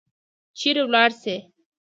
چیرې ولاړي شي؟